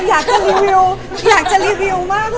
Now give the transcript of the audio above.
พอเสร็จจากเล็กคาเป็ดก็จะมีเยอะแยะมากมาย